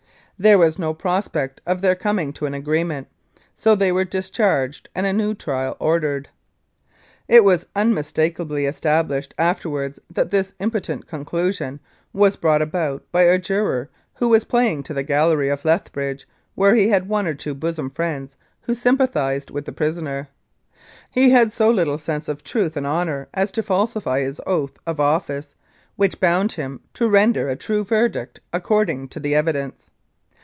There was no prospect of their coming to an agreement, so they were discharged and a new trial ordered. It was unmistakably established afterwards that this impotent conclusion was brought about by a juror who was playing to the gallery of Lethbridge, where he had one or two bosom friends who sympathised with the prisoner. He had so little sense of truth and honour as to falsify his oath of office, which bound him to render a true verdict according to the evidence.